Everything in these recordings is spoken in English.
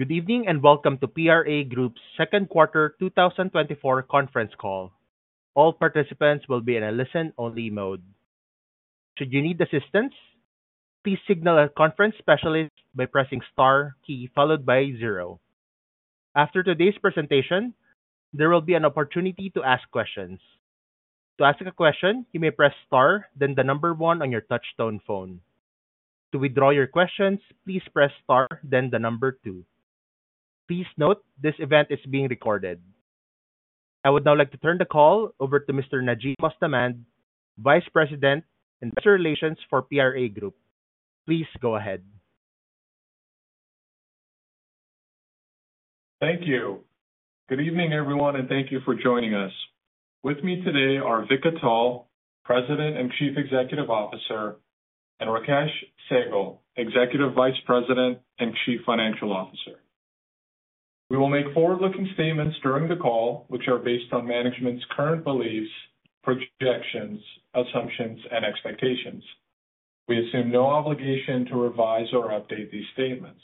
Good evening, and welcome to PRA Group's second quarter 2024 conference call. All participants will be in a listen-only mode. Should you need assistance, please signal a conference specialist by pressing star key followed by zero. After today's presentation, there will be an opportunity to ask questions. To ask a question, you may press star, then the number one on your touchtone phone. To withdraw your questions, please press star, then the number two. Please note, this event is being recorded. I would now like to turn the call over to Mr. Najim Mostamand, Vice President, Investor Relations for PRA Group. Please go ahead. Thank you. Good evening, everyone, and thank you for joining us. With me today are Vikram Atal, President and Chief Executive Officer, and Rakesh Sehgal, Executive Vice President and Chief Financial Officer. We will make forward-looking statements during the call, which are based on management's current beliefs, projections, assumptions, and expectations. We assume no obligation to revise or update these statements.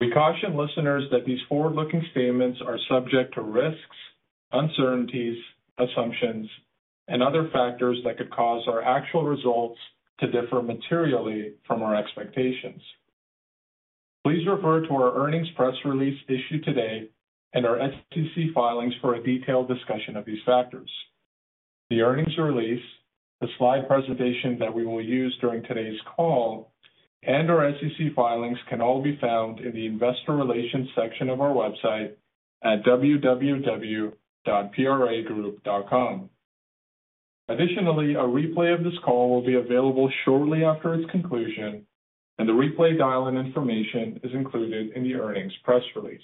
We caution listeners that these forward-looking statements are subject to risks, uncertainties, assumptions, and other factors that could cause our actual results to differ materially from our expectations. Please refer to our earnings press release issued today and our SEC filings for a detailed discussion of these factors. The earnings release, the slide presentation that we will use during today's call, and our SEC filings can all be found in the Investor Relations section of our website at www.pragroup.com. Additionally, a replay of this call will be available shortly after its conclusion, and the replay dial-in information is included in the earnings press release.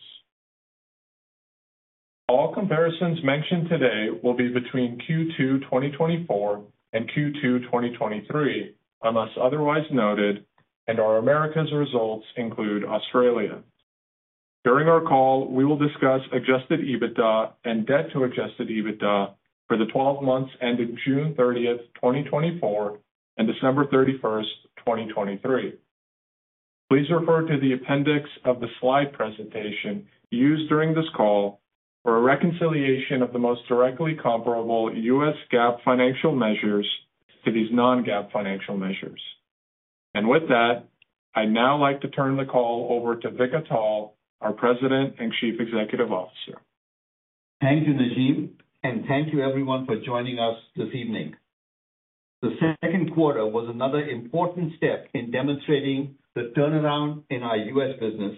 All comparisons mentioned today will be between Q2 2024 and Q2 2023, unless otherwise noted, and our America's results include Australia. During our call, we will discuss Adjusted EBITDA and debt to Adjusted EBITDA for the 12 months ending June 30, 2024, and December 31, 2023. Please refer to the appendix of the slide presentation used during this call for a reconciliation of the most directly comparable US GAAP financial measures to these non-GAAP financial measures. With that, I'd now like to turn the call over to Vikram Atal, our President and Chief Executive Officer. Thank you, Najim, and thank you everyone for joining us this evening. The second quarter was another important step in demonstrating the turnaround in our U.S. business,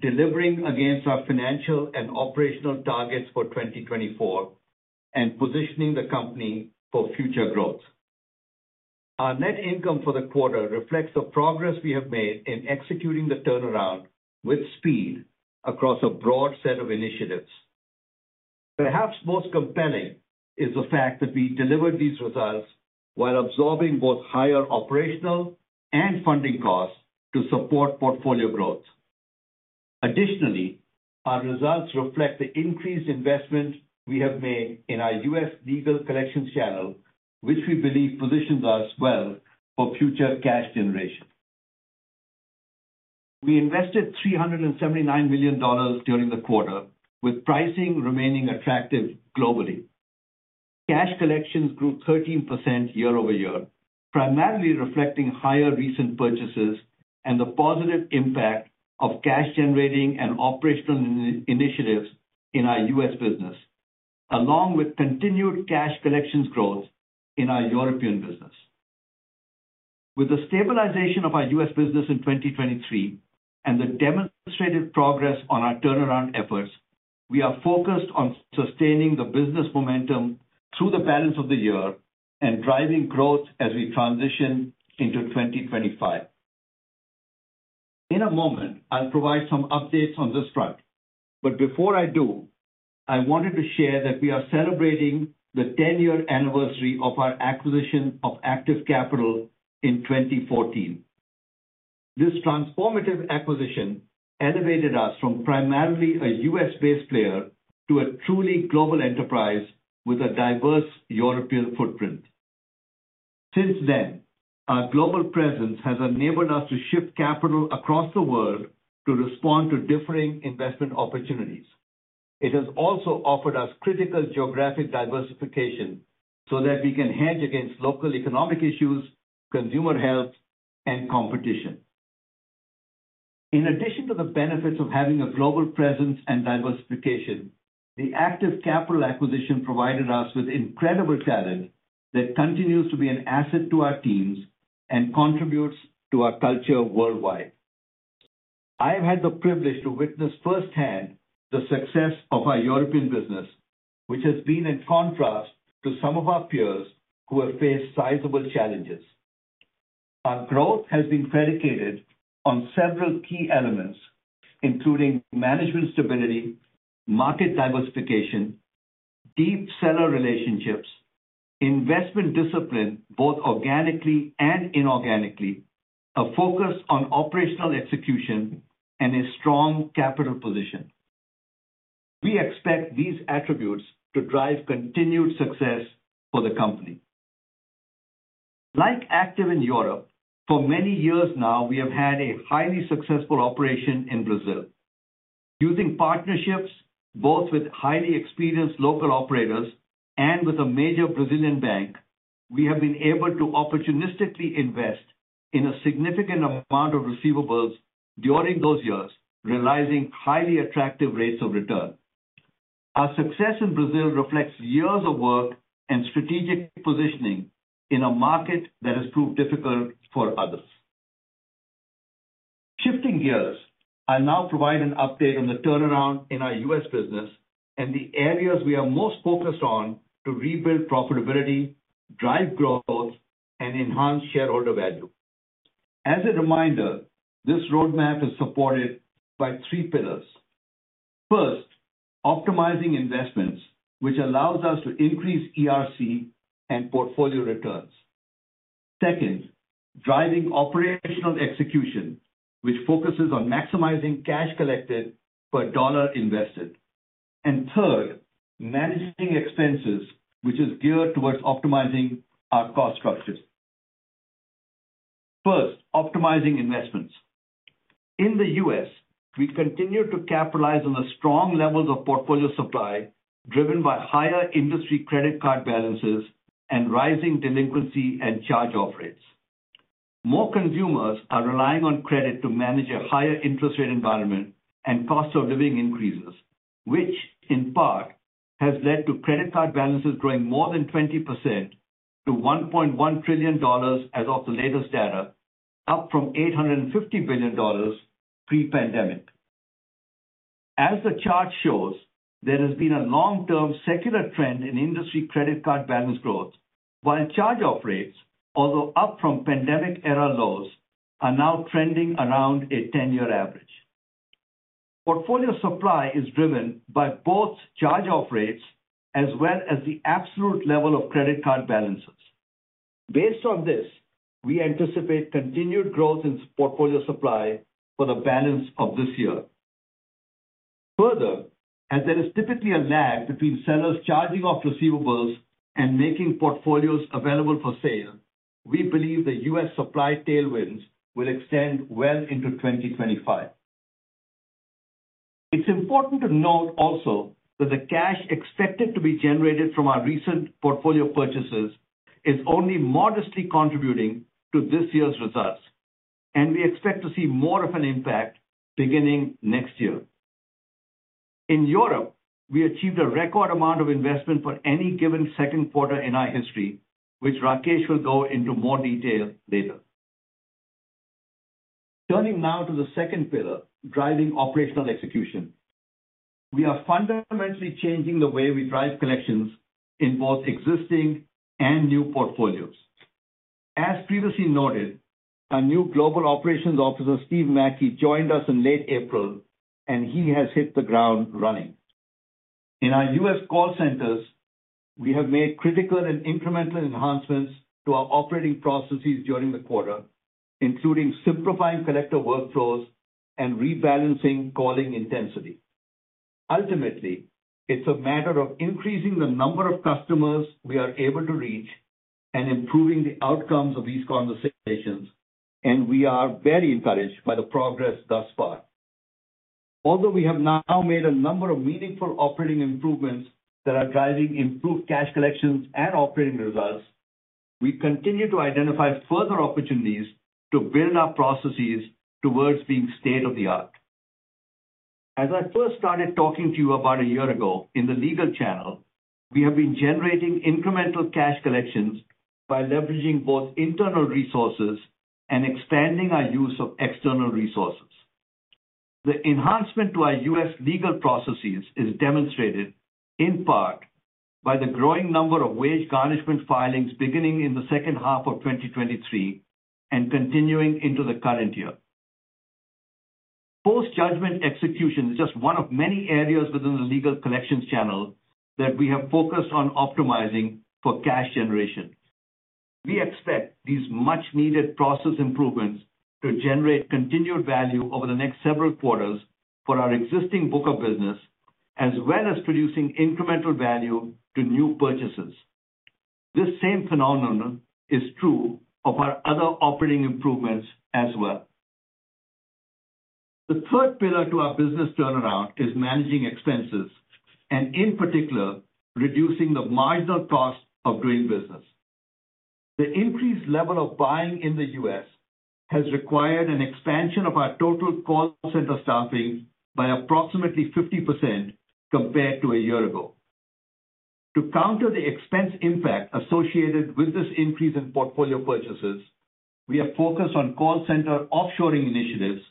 delivering against our financial and operational targets for 2024, and positioning the company for future growth. Our net income for the quarter reflects the progress we have made in executing the turnaround with speed across a broad set of initiatives. Perhaps most compelling is the fact that we delivered these results while absorbing both higher operational and funding costs to support portfolio growth. Additionally, our results reflect the increased investment we have made in our U.S. legal collections channel, which we believe positions us well for future cash generation. We invested $379 million during the quarter, with pricing remaining attractive globally. Cash collections grew 13% year over year, primarily reflecting higher recent purchases and the positive impact of cash-generating and operational initiatives in our U.S. business, along with continued cash collections growth in our European business. With the stabilization of our U.S. business in 2023 and the demonstrated progress on our turnaround efforts, we are focused on sustaining the business momentum through the balance of the year and driving growth as we transition into 2025. In a moment, I'll provide some updates on this front, but before I do, I wanted to share that we are celebrating the 10-year anniversary of our acquisition of Aktiv Kapital in 2014. This transformative acquisition elevated us from primarily a U.S.-based player to a truly global enterprise with a diverse European footprint. Since then, our global presence has enabled us to shift capital across the world to respond to differing investment opportunities. It has also offered us critical geographic diversification so that we can hedge against local economic issues, consumer health, and competition. In addition to the benefits of having a global presence and diversification, the Aktiv Kapital acquisition provided us with incredible talent that continues to be an asset to our teams and contributes to our culture worldwide. I have had the privilege to witness firsthand the success of our European business, which has been in contrast to some of our peers who have faced sizable challenges. Our growth has been predicated on several key elements, including management stability, market diversification, deep seller relationships, investment discipline, both organically and inorganically, a focus on operational execution, and a strong capital position. We expect these attributes to drive continued success for the company.... Like Aktiv in Europe, for many years now, we have had a highly successful operation in Brazil. Using partnerships, both with highly experienced local operators and with a major Brazilian bank, we have been able to opportunistically invest in a significant amount of receivables during those years, realizing highly attractive rates of return. Our success in Brazil reflects years of work and strategic positioning in a market that has proved difficult for others. Shifting gears, I'll now provide an update on the turnaround in our U.S. business and the areas we are most focused on to rebuild profitability, drive growth, and enhance shareholder value. As a reminder, this roadmap is supported by three pillars. First, optimizing investments, which allows us to increase ERC and portfolio returns. Second, driving operational execution, which focuses on maximizing cash collected per dollar invested. Third, managing expenses, which is geared toward optimizing our cost structures. First, optimizing investments. In the US, we continue to capitalize on the strong levels of portfolio supply, driven by higher industry credit card balances and rising delinquency and charge-off rates. More consumers are relying on credit to manage a higher interest rate environment and cost of living increases, which in part has led to credit card balances growing more than 20% to $1.1 trillion as of the latest data, up from $850 billion pre-pandemic. As the chart shows, there has been a long-term secular trend in industry credit card balance growth, while charge-off rates, although up from pandemic-era lows, are now trending around a 10-year average. Portfolio supply is driven by both charge-off rates as well as the absolute level of credit card balances. Based on this, we anticipate continued growth in portfolio supply for the balance of this year. Further, as there is typically a lag between sellers charging off receivables and making portfolios available for sale, we believe the U.S. supply tailwinds will extend well into 2025. It's important to note also that the cash expected to be generated from our recent portfolio purchases is only modestly contributing to this year's results, and we expect to see more of an impact beginning next year. In Europe, we achieved a record amount of investment for any given second quarter in our history, which Rakesh will go into more detail later. Turning now to the second pillar, driving operational execution. We are fundamentally changing the way we drive collections in both existing and new portfolios. As previously noted, our new Global Operations Officer, Steve Mackey, joined us in late April, and he has hit the ground running. In our U.S. call centers, we have made critical and incremental enhancements to our operating processes during the quarter, including simplifying collector workflows and rebalancing calling intensity. Ultimately, it's a matter of increasing the number of customers we are able to reach and improving the outcomes of these conversations, and we are very encouraged by the progress thus far. Although we have now made a number of meaningful operating improvements that are driving improved cash collections and operating results, we continue to identify further opportunities to build our processes towards being state-of-the-art. As I first started talking to you about a year ago in the legal channel, we have been generating incremental cash collections by leveraging both internal resources and expanding our use of external resources. The enhancement to our U.S. legal processes is demonstrated, in part, by the growing number of wage garnishment filings beginning in the second half of 2023 and continuing into the current year. Post-judgment execution is just one of many areas within the legal collections channel that we have focused on optimizing for cash generation. We expect these much-needed process improvements to generate continued value over the next several quarters for our existing book of business, as well as producing incremental value to new purchases. This same phenomenon is true of our other operating improvements as well. The third pillar to our business turnaround is managing expenses and, in particular, reducing the marginal cost of doing business. The increased level of buying in the U.S. has required an expansion of our total call center staffing by approximately 50% compared to a year ago. To counter the expense impact associated with this increase in portfolio purchases, we are focused on call center offshoring initiatives,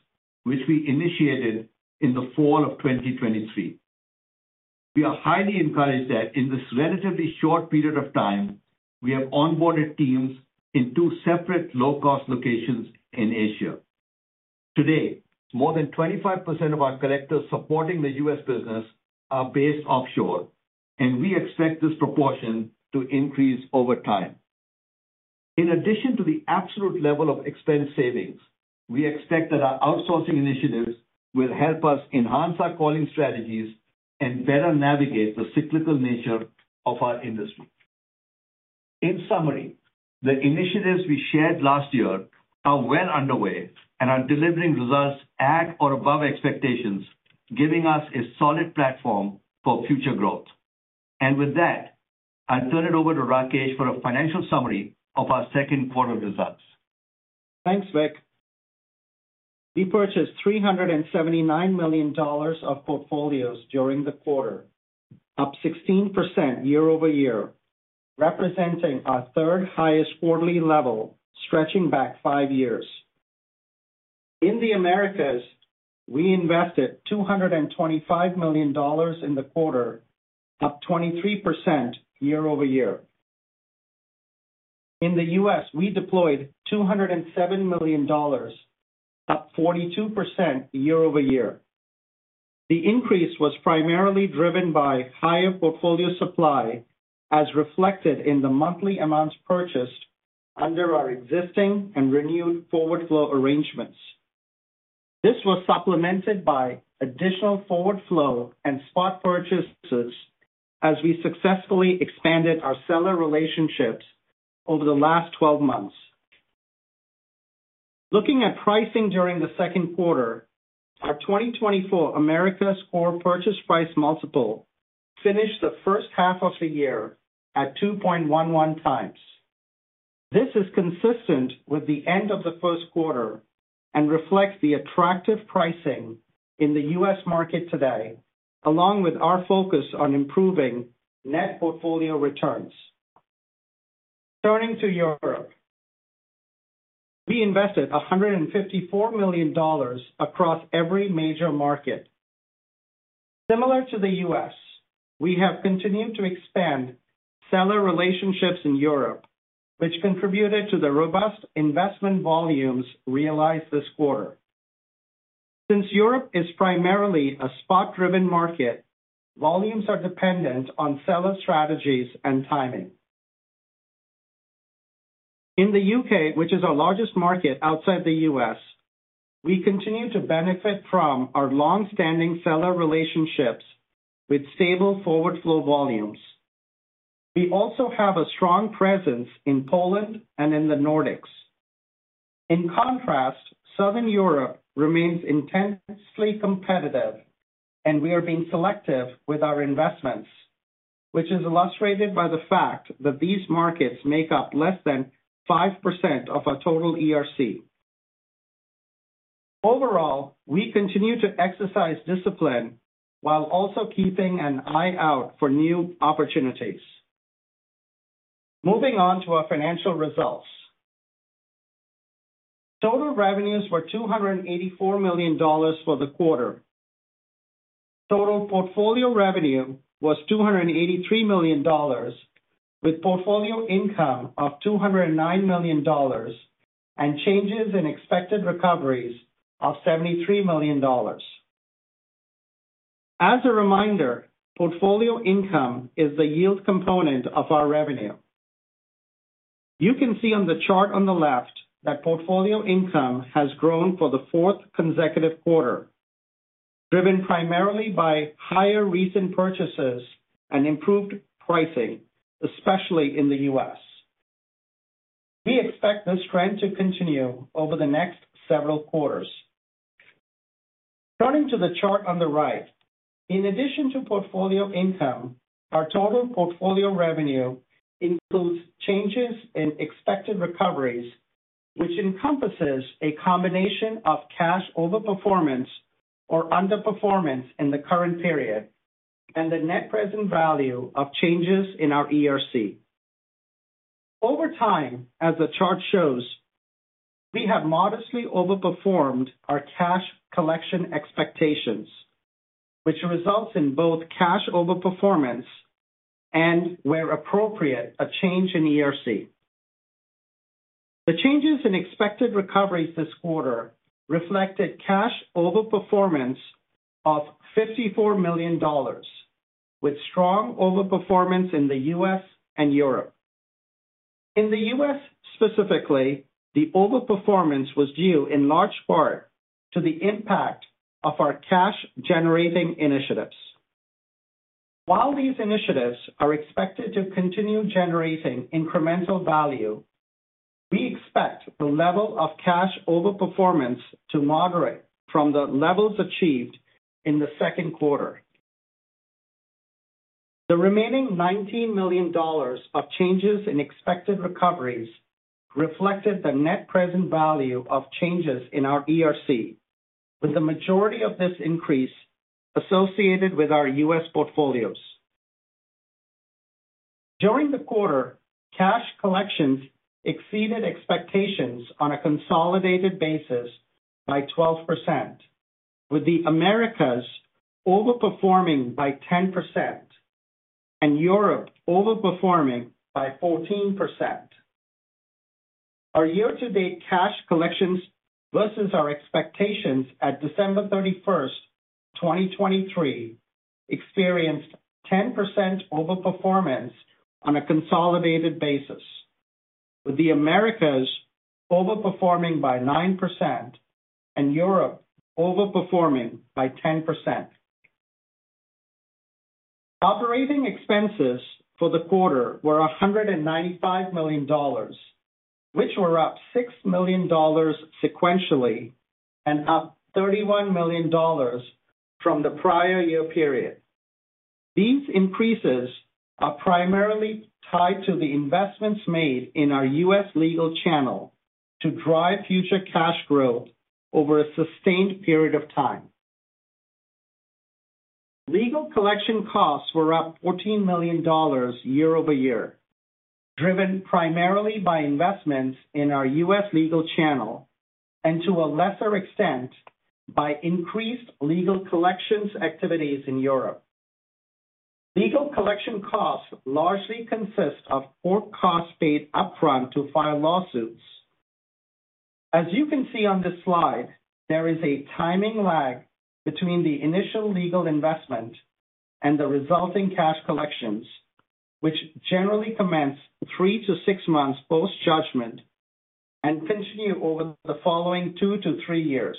which we initiated in the fall of 2023. We are highly encouraged that in this relatively short period of time, we have onboarded teams in two separate low-cost locations in Asia. Today, more than 25% of our collectors supporting the U.S. business are based offshore, and we expect this proportion to increase over time. In addition to the absolute level of expense savings, we expect that our outsourcing initiatives will help us enhance our calling strategies and better navigate the cyclical nature of our industry. In summary, the initiatives we shared last year are well underway and are delivering results at or above expectations, giving us a solid platform for future growth. With that, I'll turn it over to Rakesh for a financial summary of our second quarter results. Thanks, Vikram. We purchased $379 million of portfolios during the quarter, up 16% year-over-year, representing our 3rd highest quarterly level, stretching back 5 years. In the Americas, we invested $225 million in the quarter, up 23% year-over-year. In the US, we deployed $207 million, up 42% year-over-year. The increase was primarily driven by higher portfolio supply, as reflected in the monthly amounts purchased under our existing and renewed forward flow arrangements. This was supplemented by additional forward flow and spot purchases as we successfully expanded our seller relationships over the last 12 months. Looking at pricing during the second quarter, our 2024 Americas core purchase price multiple finished the first half of the year at 2.11x. This is consistent with the end of the first quarter and reflects the attractive pricing in the U.S. market today, along with our focus on improving net portfolio returns. Turning to Europe, we invested $154 million across every major market. Similar to the U.S., we have continued to expand seller relationships in Europe, which contributed to the robust investment volumes realized this quarter. Since Europe is primarily a spot-driven market, volumes are dependent on seller strategies and timing. In the U.K., which is our largest market outside the U.S., we continue to benefit from our long-standing seller relationships with stable forward flow volumes. We also have a strong presence in Poland and in the Nordics. In contrast, Southern Europe remains intensely competitive, and we are being selective with our investments, which is illustrated by the fact that these markets make up less than 5% of our total ERC. Overall, we continue to exercise discipline while also keeping an eye out for new opportunities. Moving on to our financial results. Total revenues were $284 million for the quarter. Total portfolio revenue was $283 million, with portfolio income of $209 million and changes in expected recoveries of $73 million. As a reminder, portfolio income is the yield component of our revenue. You can see on the chart on the left that portfolio income has grown for the fourth consecutive quarter, driven primarily by higher recent purchases and improved pricing, especially in the U.S. We expect this trend to continue over the next several quarters. Turning to the chart on the right, in addition to portfolio income, our total portfolio revenue includes changes in expected recoveries, which encompasses a combination of cash overperformance or underperformance in the current period, and the net present value of changes in our ERC. Over time, as the chart shows, we have modestly overperformed our cash collection expectations, which results in both cash overperformance and, where appropriate, a change in ERC. The changes in expected recoveries this quarter reflected cash overperformance of $54 million, with strong overperformance in the U.S. and Europe. In the U.S. specifically, the overperformance was due in large part to the impact of our cash-generating initiatives. While these initiatives are expected to continue generating incremental value, we expect the level of cash overperformance to moderate from the levels achieved in the second quarter. The remaining $19 million of changes in expected recoveries reflected the net present value of changes in our ERC, with the majority of this increase associated with our US portfolios. During the quarter, cash collections exceeded expectations on a consolidated basis by 12%, with the Americas overperforming by 10% and Europe overperforming by 14%. Our year-to-date cash collections versus our expectations at December 31, 2023, experienced 10% overperformance on a consolidated basis, with the Americas overperforming by 9% and Europe overperforming by 10%. Operating expenses for the quarter were $195 million, which were up $6 million sequentially and up $31 million from the prior year period. These increases are primarily tied to the investments made in our US legal channel to drive future cash growth over a sustained period of time. Legal collection costs were up $14 million year-over-year, driven primarily by investments in our U.S. legal channel and, to a lesser extent, by increased legal collections activities in Europe. Legal collection costs largely consist of core costs paid upfront to file lawsuits. As you can see on this slide, there is a timing lag between the initial legal investment and the resulting cash collections, which generally commence three to six months post-judgment and continue over the following two to three years.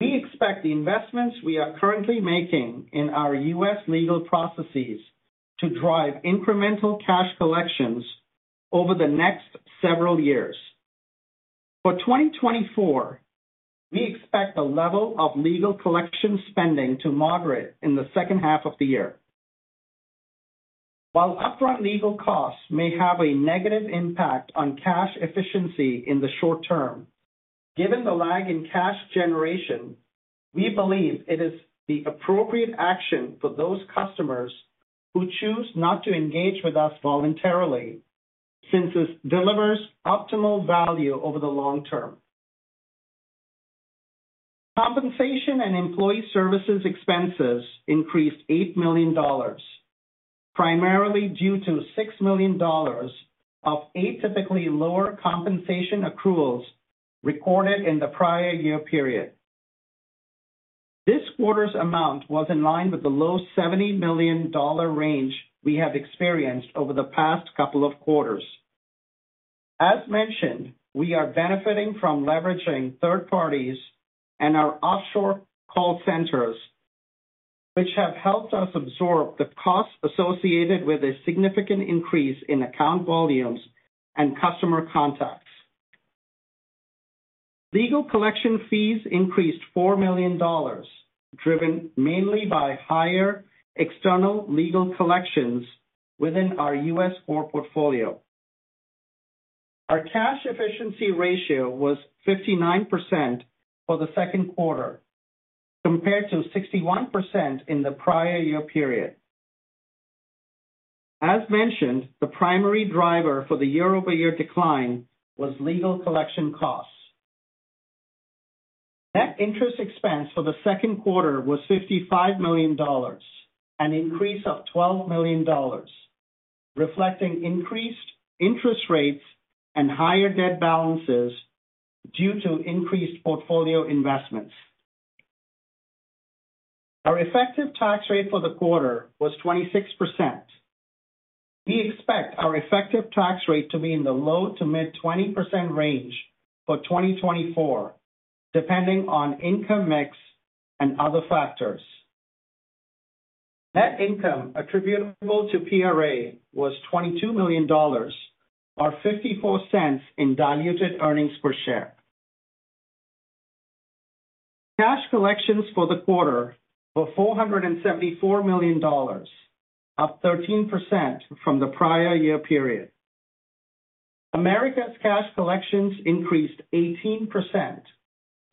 We expect the investments we are currently making in our U.S. legal processes to drive incremental cash collections over the next several years. For 2024, we expect the level of legal collection spending to moderate in the second half of the year. While upfront legal costs may have a negative impact on cash efficiency in the short term, given the lag in cash generation, we believe it is the appropriate action for those customers who choose not to engage with us voluntarily, since this delivers optimal value over the long term. Compensation and employee services expenses increased $8 million, primarily due to $6 million of atypically lower compensation accruals recorded in the prior year period. This quarter's amount was in line with the low $70 million range we have experienced over the past couple of quarters. As mentioned, we are benefiting from leveraging third parties and our offshore call centers, which have helped us absorb the costs associated with a significant increase in account volumes and customer contacts. Legal collection fees increased $4 million, driven mainly by higher external legal collections within our U.S. core portfolio. Our Cash Efficiency Ratio was 59% for the second quarter, compared to 61% in the prior year period. As mentioned, the primary driver for the year-over-year decline was legal collection costs. Net interest expense for the second quarter was $55 million, an increase of $12 million, reflecting increased interest rates and higher debt balances due to increased portfolio investments. Our effective tax rate for the quarter was 26%. We expect our effective tax rate to be in the low-to-mid 20% range for 2024, depending on income mix and other factors. Net income attributable to PRA was $22 million, or $0.54 in diluted earnings per share. Cash collections for the quarter were $474 million, up 13% from the prior year period. Americas cash collections increased 18%,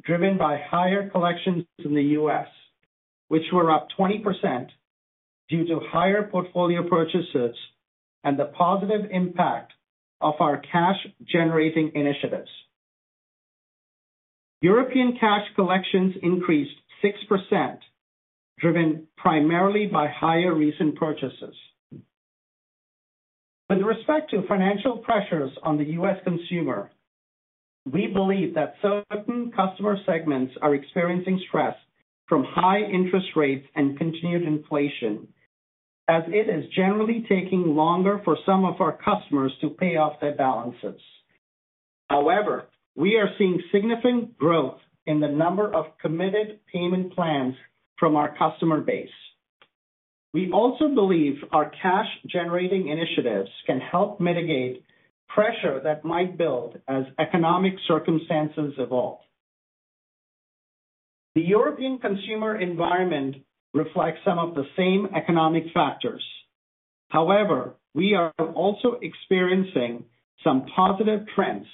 driven by higher collections in the U.S., which were up 20% due to higher portfolio purchases and the positive impact of our cash-generating initiatives. European cash collections increased 6%, driven primarily by higher recent purchases. With respect to financial pressures on the U.S. consumer, we believe that certain customer segments are experiencing stress from high interest rates and continued inflation, as it is generally taking longer for some of our customers to pay off their balances. However, we are seeing significant growth in the number of committed payment plans from our customer base. We also believe our cash-generating initiatives can help mitigate pressure that might build as economic circumstances evolve. The European consumer environment reflects some of the same economic factors. However, we are also experiencing some positive trends,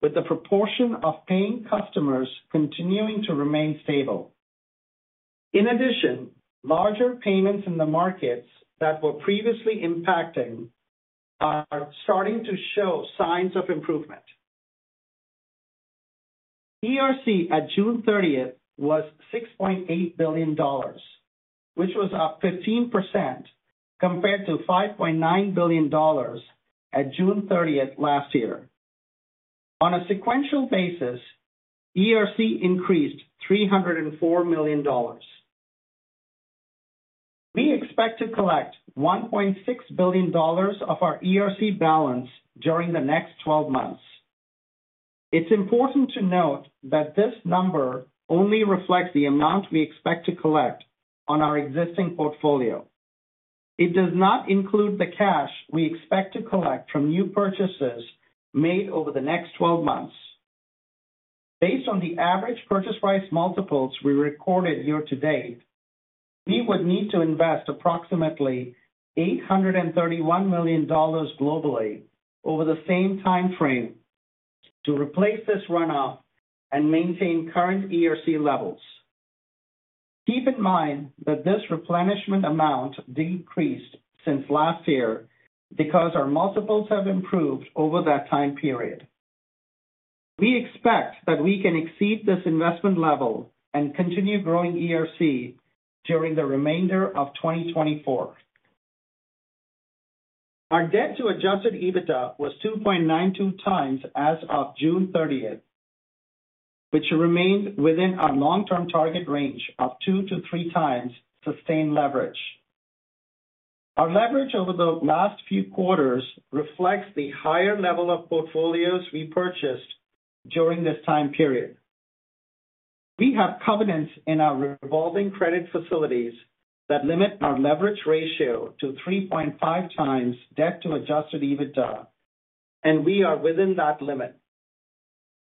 with the proportion of paying customers continuing to remain stable. In addition, larger payments in the markets that were previously impacting are starting to show signs of improvement. ERC at June 30 was $6.8 billion, which was up 15% compared to $5.9 billion at June 30 last year. On a sequential basis, ERC increased $304 million. We expect to collect $1.6 billion of our ERC balance during the next twelve months. It's important to note that this number only reflects the amount we expect to collect on our existing portfolio. It does not include the cash we expect to collect from new purchases made over the next twelve months. Based on the average purchase price multiples we recorded year-to-date, we would need to invest approximately $831 million globally over the same time frame to replace this runoff and maintain current ERC levels. Keep in mind that this replenishment amount decreased since last year because our multiples have improved over that time period. We expect that we can exceed this investment level and continue growing ERC during the remainder of 2024. Our debt to Adjusted EBITDA was 2.92x as of June 30th, which remains within our long-term target range of two to three times sustained leverage. Our leverage over the last few quarters reflects the higher level of portfolios we purchased during this time period. We have covenants in our revolving credit facilities that limit our leverage ratio to 3.5x debt to Adjusted EBITDA, and we are within that limit.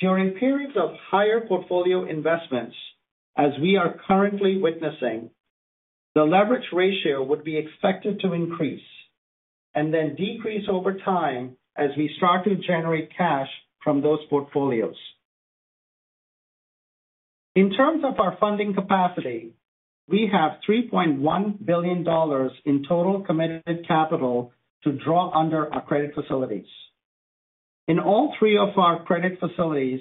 During periods of higher portfolio investments, as we are currently witnessing, the leverage ratio would be expected to increase and then decrease over time as we start to generate cash from those portfolios. In terms of our funding capacity, we have $3.1 billion in total committed capital to draw under our credit facilities. In all three of our credit facilities,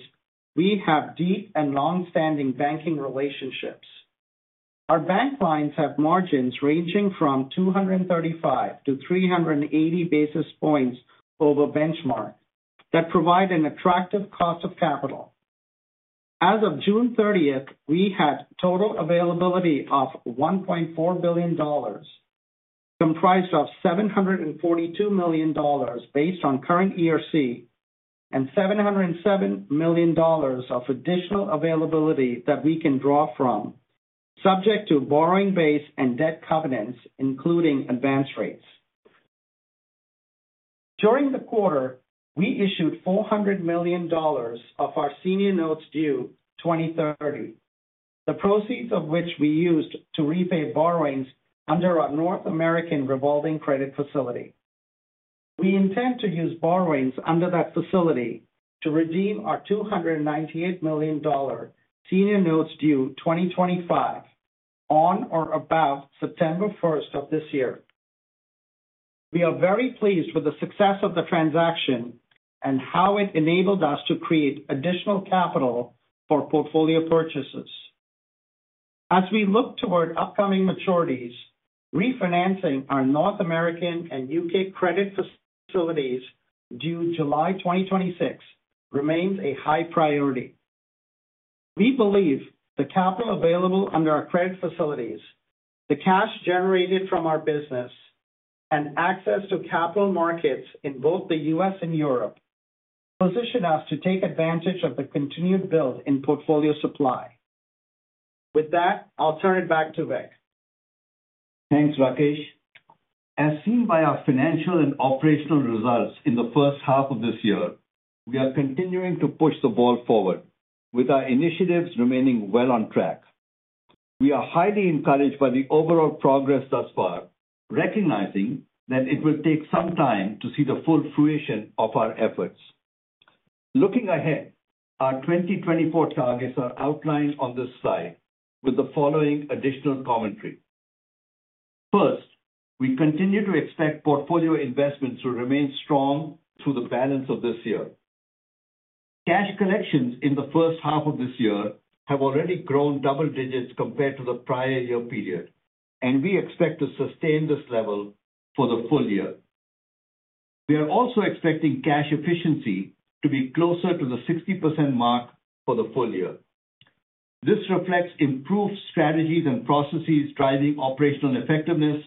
we have deep and long-standing banking relationships. Our bank lines have margins ranging from 235-380 basis points over benchmark that provide an attractive cost of capital. As of June 30, we had total availability of $1.4 billion, comprised of $742 million based on current ERC, and $707 million of additional availability that we can draw from, subject to borrowing base and debt covenants, including advance rates. During the quarter, we issued $400 million of our senior notes due 2030, the proceeds of which we used to repay borrowings under our North American revolving credit facility. We intend to use borrowings under that facility to redeem our $298 million senior notes due 2025, on or about September 1st of this year. We are very pleased with the success of the transaction and how it enabled us to create additional capital for portfolio purchases. As we look toward upcoming maturities, refinancing our North American and U.K. credit facilities due July 2026 remains a high priority. We believe the capital available under our credit facilities, the cash generated from our business, and access to capital markets in both the U.S. and Europe, position us to take advantage of the continued build in portfolio supply. With that, I'll turn it back to Vikram. Thanks, Rakesh. As seen by our financial and operational results in the first half of this year, we are continuing to push the ball forward, with our initiatives remaining well on track. We are highly encouraged by the overall progress thus far, recognizing that it will take some time to see the full fruition of our efforts. Looking ahead, our 2024 targets are outlined on this slide with the following additional commentary. First, we continue to expect portfolio investments to remain strong through the balance of this year. Cash collections in the first half of this year have already grown double digits compared to the prior year period, and we expect to sustain this level for the full year. We are also expecting cash efficiency to be closer to the 60% mark for the full year. This reflects improved strategies and processes driving operational effectiveness,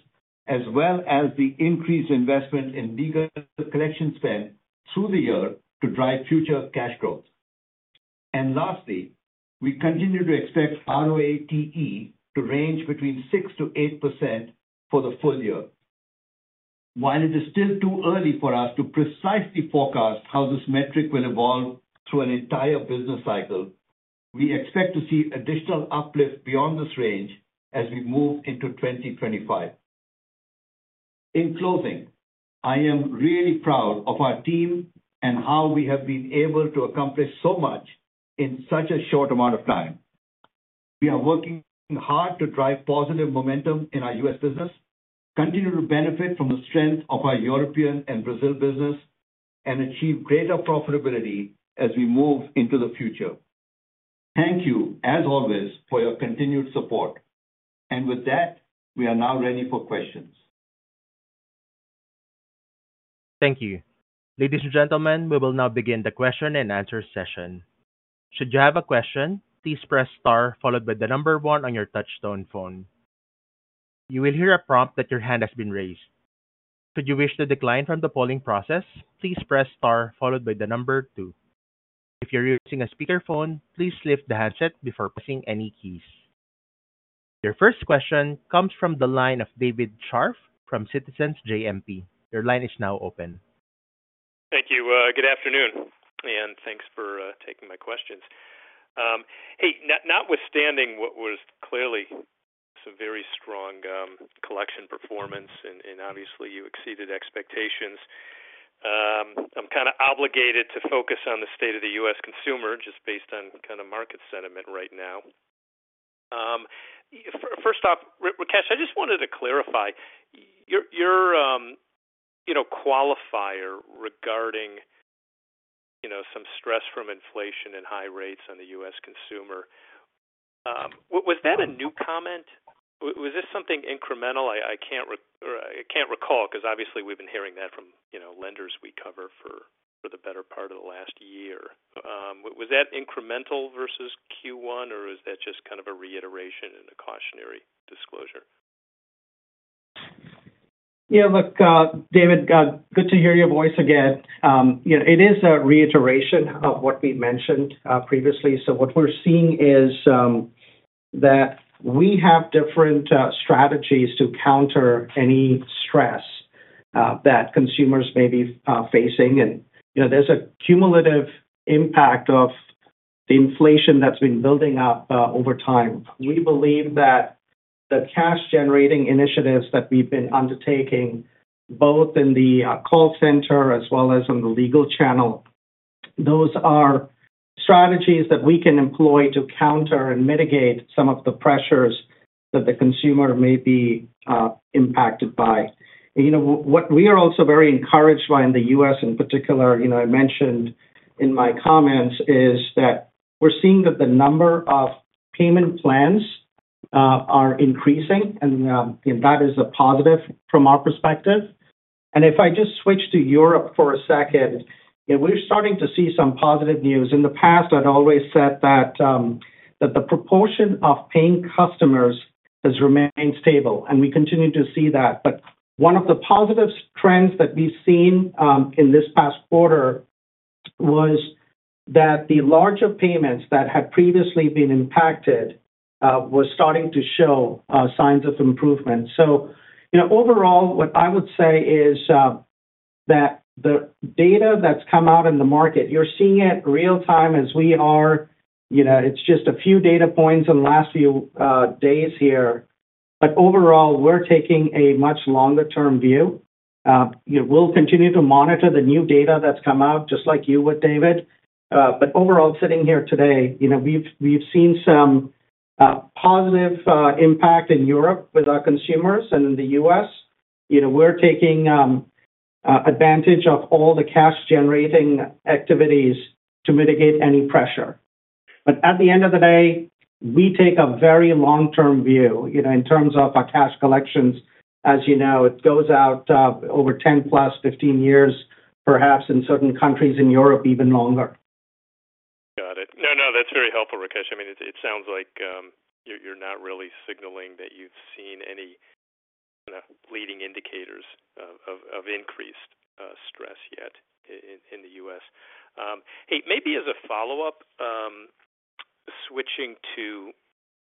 as well as the increased investment in legal collection spend through the year to drive future cash growth. And lastly, we continue to expect ROATE to range between 6%-8% for the full year. While it is still too early for us to precisely forecast how this metric will evolve through an entire business cycle, we expect to see additional uplift beyond this range as we move into 2025. In closing, I am really proud of our team and how we have been able to accomplish so much in such a short amount of time. We are working hard to drive positive momentum in our US business, continue to benefit from the strength of our European and Brazil business, and achieve greater profitability as we move into the future. Thank you, as always, for your continued support. And with that, we are now ready for questions. Thank you. Ladies and gentlemen, we will now begin the question and answer session. Should you have a question, please press star followed by the number 1 on your touchtone phone. You will hear a prompt that your hand has been raised. Should you wish to decline from the polling process, please press star followed by the number 2. If you're using a speakerphone, please lift the handset before pressing any keys. Your first question comes from the line of David Scharf from Citizens JMP. Your line is now open. Thank you. Good afternoon, and thanks for taking my questions. Hey, notwithstanding what was clearly some very strong collection performance, and obviously you exceeded expectations. I'm kind of obligated to focus on the state of the U.S. consumer just based on kind of market sentiment right now. First off, Rakesh, I just wanted to clarify, your qualifier regarding some stress from inflation and high rates on the U.S. consumer, was that a new comment? Was this something incremental? I can't recall 'cause obviously we've been hearing that from, you know, lenders we cover for the better part of the last year. Was that incremental versus Q1, or is that just kind of a reiteration and a cautionary disclosure? Yeah, look, David, good to hear your voice again. You know, it is a reiteration of what we mentioned previously. So what we're seeing is that we have different strategies to counter any stress that consumers may be facing. And, you know, there's a cumulative impact of the inflation that's been building up over time. We believe that the cash-generating initiatives that we've been undertaking, both in the call center as well as on the legal channel, those are strategies that we can employ to counter and mitigate some of the pressures that the consumer may be impacted by. You know, what we are also very encouraged by in the US in particular, you know, I mentioned in my comments, is that we're seeing that the number of payment plans are increasing, and that is a positive from our perspective. If I just switch to Europe for a second, and we're starting to see some positive news. In the past, I'd always said that that the proportion of paying customers has remained stable, and we continue to see that. But one of the positive trends that we've seen in this past quarter was that the larger payments that had previously been impacted was starting to show signs of improvement. So, you know, overall, what I would say is that the data that's come out in the market, you're seeing it real time as we are. You know, it's just a few data points in the last few days here. But overall, we're taking a much longer term view. We'll continue to monitor the new data that's come out just like you would, David. But overall, sitting here today, you know, we've seen some positive impact in Europe with our consumers and in the U.S. You know, we're taking advantage of all the cash-generating activities to mitigate any pressure. But at the end of the day, we take a very long-term view. You know, in terms of our cash collections, as you know, it goes out over 10 to 15 years, perhaps in certain countries in Europe, even longer. Got it. Now, now, that's very helpful, Rakesh. I mean, it sounds like you're not really signaling that you've seen any leading indicators of increased stress yet in the U.S. Hey, maybe as a follow-up, switching to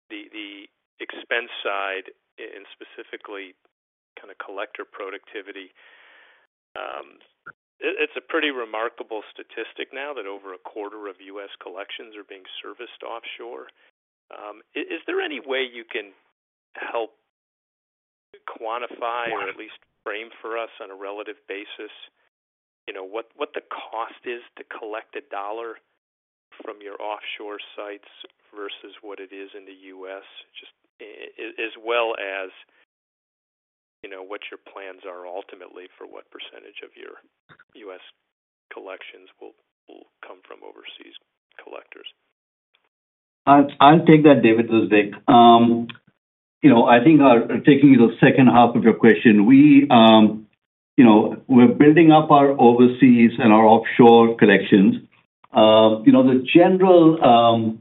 the expense side and specifically kind of collector productivity. It's a pretty remarkable statistic now that over a quarter of U.S. collections are being serviced offshore. Is there any way you can help quantify or at least frame for us on a relative basis, you know, what the cost is to collect a dollar from your offshore sites versus what it is in the U.S.? Just as well as, you know, what your plans are ultimately for what percentage of your U.S. collections will come from overseas collectors. I'll take that, David, today. You know, I think, taking the second half of your question, we, you know, we're building up our overseas and our offshore collections. You know, the general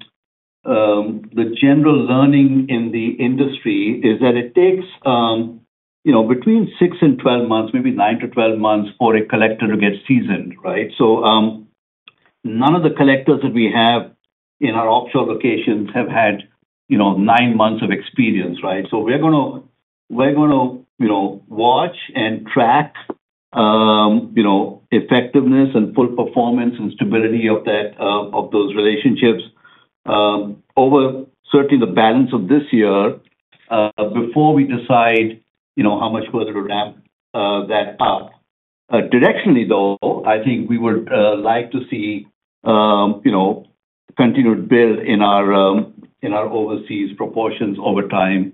learning in the industry is that it takes, you know, between six months and 12 months, maybe nine months to 12 months for a collector to get seasoned, right? So, none of the collectors that we have in our offshore locations have had, you know, 9 months of experience, right? So we're gonna, we're gonna, you know, watch and track, you know, effectiveness and full performance and stability of that, of those relationships, over certainly the balance of this year, before we decide, you know, how much further to ramp, that up. Directionally, though, I think we would like to see, you know, continued build in our overseas proportions over time.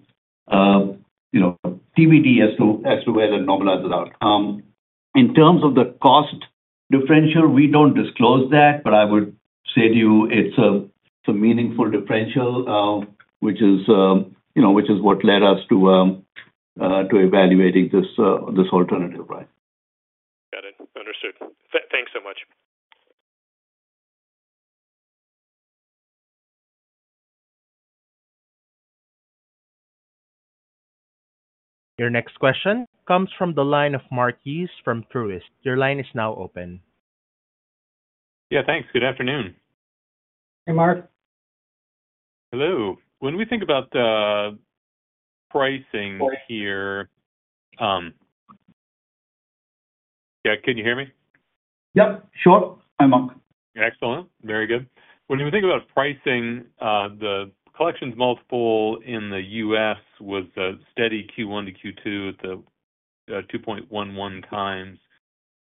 You know, TBD as to where the normalized outcome. In terms of the cost differential, we don't disclose that, but I would say to you it's a meaningful differential, which is, you know, which is what led us to evaluating this alternative, right? Got it. Understood. Thanks so much. Your next question comes from the line of Mark Hughes from Truist. Your line is now open. Yeah, thanks. Good afternoon. Hey, Mark. Hello. When we think about the pricing here, yeah, can you hear me? Yep, sure. Hi, Mark. Excellent. Very good. When we think about pricing, the collections multiple in the US was a steady Q1 to Q2 at the 2.11x.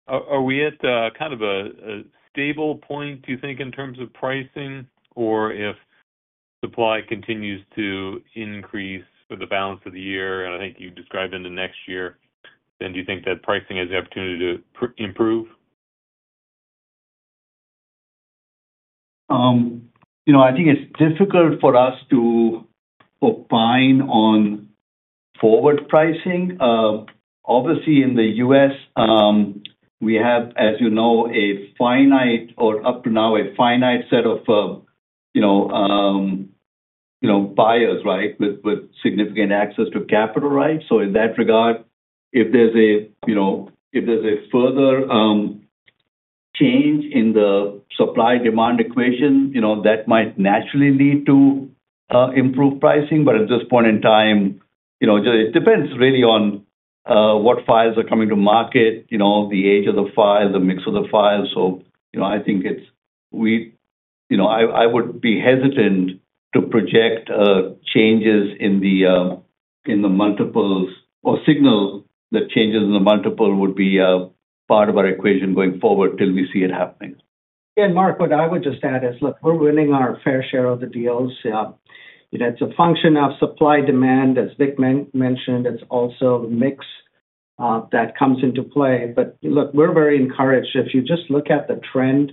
Are we at the kind of a stable point, do you think, in terms of pricing? Or if supply continues to increase for the balance of the year, and I think you described into next year, then do you think that pricing has the opportunity to improve? You know, I think it's difficult for us to opine on forward pricing. Obviously, in the U.S., we have, as you know, a finite or up to now, a finite set of, you know, buyers, right, with significant access to capital, right? So in that regard, if there's a, you know, if there's a further, change in the supply-demand equation, you know, that might naturally lead to, improved pricing. But at this point in time, you know, it depends really on, what files are coming to market, you know, the age of the files, the mix of the files. So, you know, I think it's, you know, I would be hesitant to project changes in the multiples or signal that changes in the multiple would be a part of our equation going forward till we see it happening. And Mark, what I would just add is, look, we're winning our fair share of the deals. You know, it's a function of supply-demand, as Vik mentioned. It's also the mix that comes into play. But look, we're very encouraged. If you just look at the trend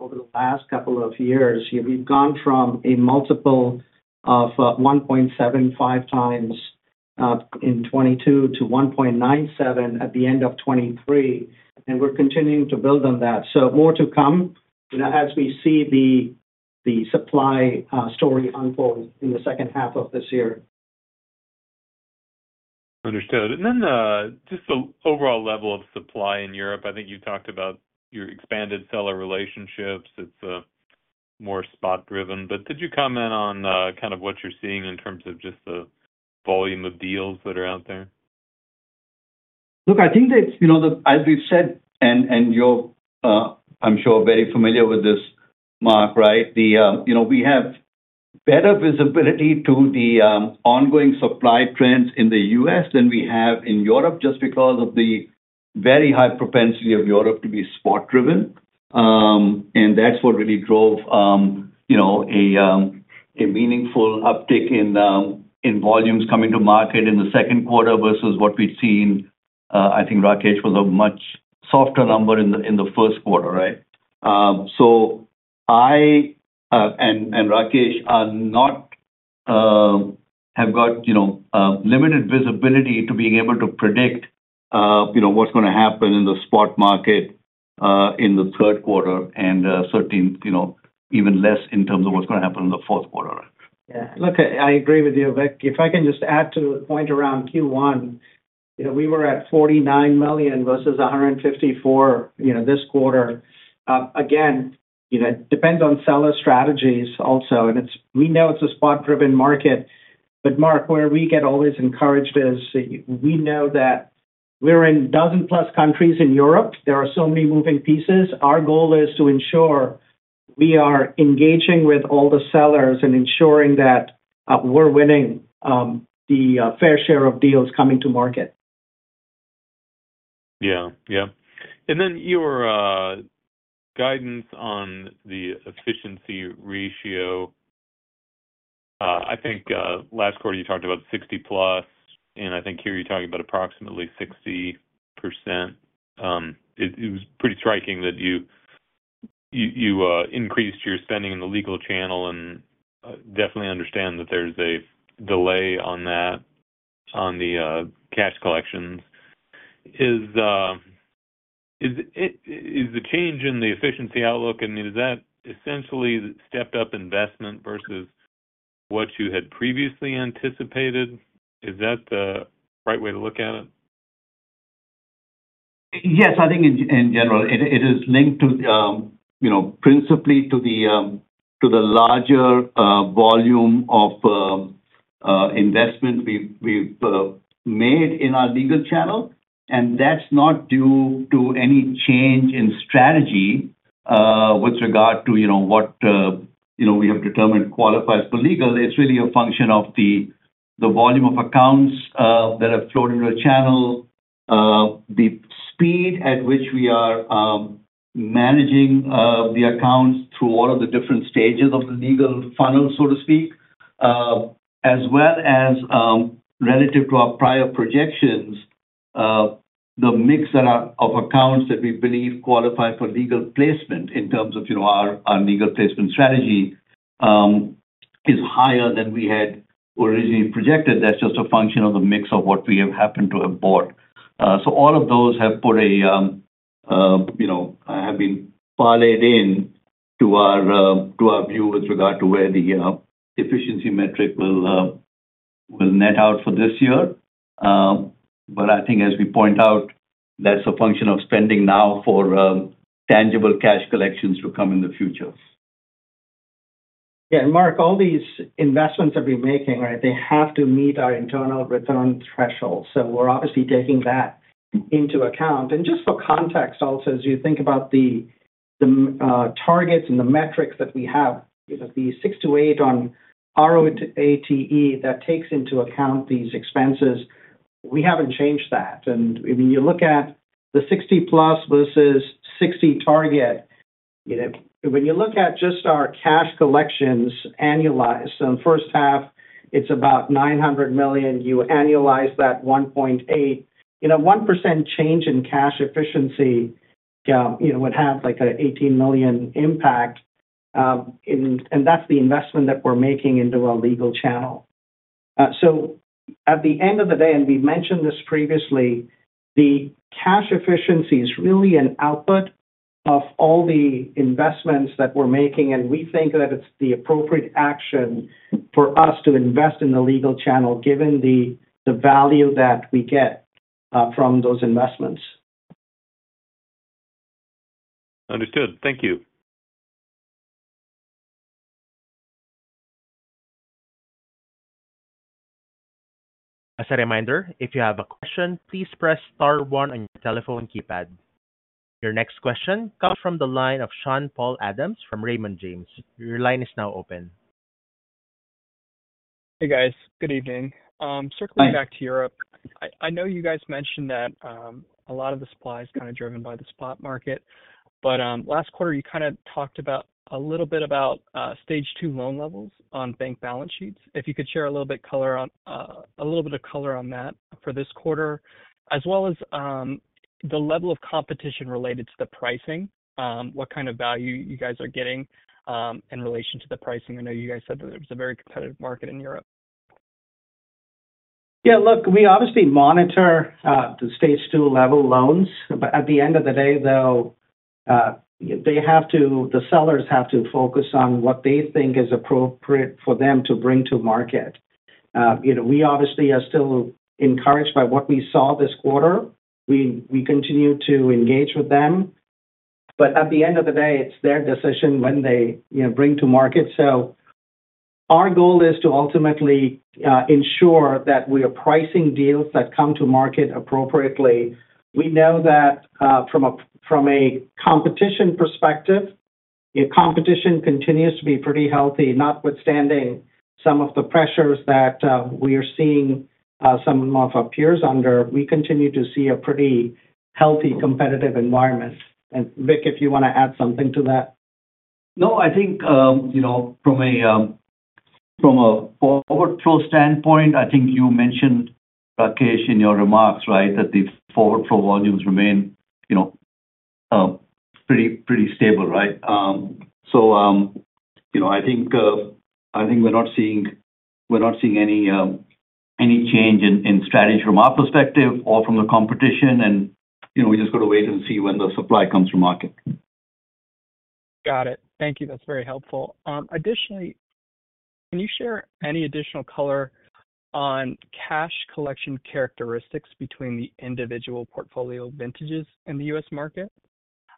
over the last couple of years, we've gone from a multiple of 1.75x in 2022 to 1.97x at the end of 2023, and we're continuing to build on that. So more to come, you know, as we see the supply story unfold in the second half of this year. Understood. And then, just the overall level of supply in Europe. I think you talked about your expanded seller relationships. It's more spot driven, but could you comment on, kind of what you're seeing in terms of just the volume of deals that are out there? Look, I think that, you know, as we've said, and, and you're, I'm sure, very familiar with this, Mark, right? The, you know, we have better visibility to the ongoing supply trends in the US than we have in Europe, just because of the very high propensity of Europe to be spot driven. And that's what really drove, you know, a meaningful uptick in volumes coming to market in the second quarter versus what we've seen, I think, Rakesh, was a much softer number in the first quarter, right? So I and Rakesh are not have got, you know, limited visibility to being able to predict, you know, what's gonna happen in the spot market in the third quarter and, certainly, you know, even less in terms of what's gonna happen in the fourth quarter. Yeah. Look, I agree with you, Vikram. If I can just add to the point around Q1. You know, we were at $49 million versus $154 million, you know, this quarter. Again, you know, it depends on seller strategies also, and it's, we know it's a spot-driven market. But Mark, where we get always encouraged is we know that we're in dozen plus countries in Europe. There are so many moving pieces. Our goal is to ensure we are engaging with all the sellers and ensuring that we're winning the fair share of deals coming to market. Yeah. Yeah. And then your guidance on the efficiency ratio. I think last quarter you talked about 60+, and I think here you're talking about approximately 60%. It was pretty striking that you increased your spending in the legal channel and definitely understand that there's a delay on that, on the cash collections. Is it— is the change in the efficiency outlook, I mean, is that essentially the stepped up investment versus what you had previously anticipated? Is that the right way to look at it? Yes, I think in general, it is linked to, you know, principally to the larger volume of investment we've made in our legal channel, and that's not due to any change in strategy with regard to, you know, what you know we have determined qualifies for legal. It's really a function of the volume of accounts that have flowed into the channel, the speed at which we are managing the accounts through all of the different stages of the legal funnel, so to speak, as well as, relative to our prior projections, the mix of accounts that we believe qualify for legal placement in terms of, you know, our legal placement strategy, is higher than we had originally projected. That's just a function of the mix of what we have happened to have bought. So all of those have put a, you know, have been parlayed in to our, to our view with regard to where the, efficiency metric will, will net out for this year. But I think as we point out, that's a function of spending now for, tangible cash collections to come in the future. Yeah, and Mark, all these investments that we're making, right, they have to meet our internal return threshold. So we're obviously taking that into account. Just for context also, as you think about the targets and the metrics that we have, you know, the 6-8 on ROATE, that takes into account these expenses, we haven't changed that. And when you look at the 60+ versus 60 target, you know, when you look at just our cash collections annualized, so in first half it's about $900 million. You annualize that 1.8. You know, 1% change in cash efficiency, you know, would have like an $18 million impact, and that's the investment that we're making into our legal channel. At the end of the day, and we've mentioned this previously, the cash efficiency is really an output of all the investments that we're making, and we think that it's the appropriate action for us to invest in the legal channel, given the value that we get from those investments. Understood. Thank you. As a reminder, if you have a question, please press star one on your telephone keypad. Your next question comes from the line of Sean Paul Adams from Raymond James. Your line is now open. Hey, guys. Good evening. Circling back to Europe. I know you guys mentioned that, a lot of the supply is kind of driven by the spot market, but, last quarter, you kind of talked about, a little bit about, stage two loan levels on bank balance sheets. If you could share a little bit color on, a little bit of color on that for this quarter, as well as, the level of competition related to the pricing, what kind of value you guys are getting, in relation to the pricing. I know you guys said that it was a very competitive market in Europe. Yeah, look, we obviously monitor the Stage 2 loans, but at the end of the day, though, the sellers have to focus on what they think is appropriate for them to bring to market. You know, we obviously are still encouraged by what we saw this quarter. We continue to engage with them, but at the end of the day, it's their decision when they, you know, bring to market. So our goal is to ultimately ensure that we are pricing deals that come to market appropriately. We know that from a competition perspective, competition continues to be pretty healthy, notwithstanding some of the pressures that we are seeing some of our peers under. We continue to see a pretty healthy competitive environment. And Vikram, if you wanna add something to that? No, I think, you know, from a forward flow standpoint, I think you mentioned, Rakesh, in your remarks, right, that the forward flow volumes remain, you know, pretty, pretty stable, right? So, you know, I think, I think we're not seeing, we're not seeing any change in strategy from our perspective or from the competition. And, you know, we just got to wait and see when the supply comes to market. Got it. Thank you. That's very helpful. Additionally, can you share any additional color on cash collection characteristics between the individual portfolio vintages in the US market?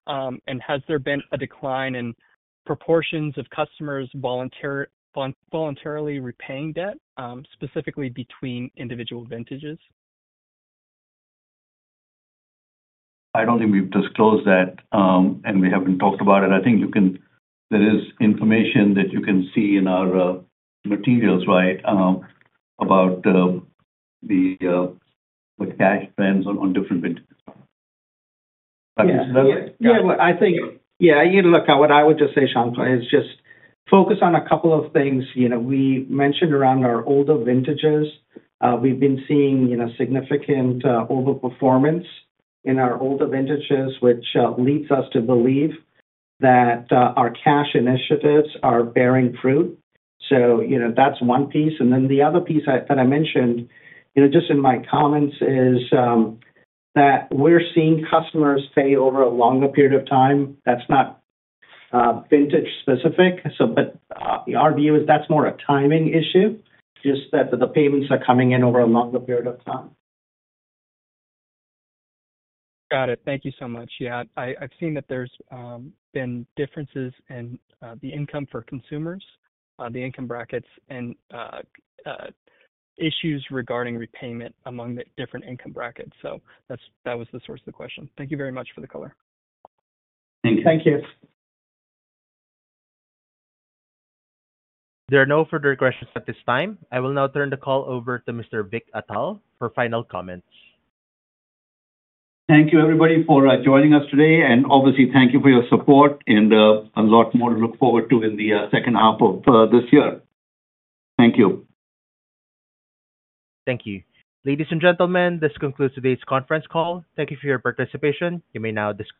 Has there been a decline in proportions of customers voluntarily repaying debt, specifically between individual vintages? I don't think we've disclosed that, and we haven't talked about it. I think you can, there is information that you can see in our materials, right, about the cash trends on different vintages. Yeah. Well, I think... Yeah, you know, look, what I would just say, Sean, is just focus on a couple of things. You know, we mentioned around our older vintages, we've been seeing, you know, significant overperformance in our older vintages, which leads us to believe that our cash initiatives are bearing fruit. So, you know, that's one piece. And then the other piece that I mentioned, you know, just in my comments is that we're seeing customers pay over a longer period of time, that's not vintage specific. But our view is that's more a timing issue, just that the payments are coming in over a longer period of time. Got it. Thank you so much. Yeah, I, I've seen that there's been differences in the income for consumers, the income brackets and issues regarding repayment among the different income brackets. So that's, that was the source of the question. Thank you very much for the color. Thank you. Thank you. There are no further questions at this time. I will now turn the call over to Mr. Vikram Atal for final comments. Thank you, everybody, for joining us today, and obviously thank you for your support and a lot more to look forward to in the second half of this year. Thank you. Thank you. Ladies and gentlemen, this concludes today's conference call. Thank you for your participation. You may now disconnect.